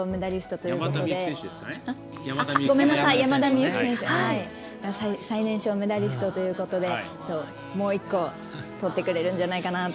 山田美幸選手最年少メダリストということでもう１個とってくれるんじゃないかと。